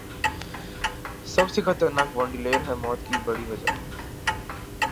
سب سے خطرناک ونٹیلیٹر ہے موت کی بڑی وجہ ۔